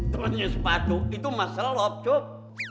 temennya sepatu itu masalah loob